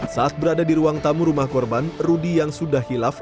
saat berada di ruang tamu rumah korban rudy yang sudah hilaf